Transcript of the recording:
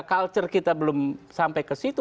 culture kita belum sampai ke situ